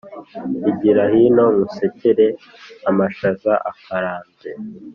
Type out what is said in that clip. Igira hino ngusekere-Amashaza akaranze.